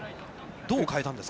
どう変えたんですか。